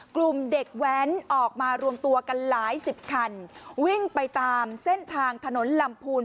กลุ่มเด็กแว้นออกมารวมตัวกันหลายสิบคันวิ่งไปตามเส้นทางถนนลำพูน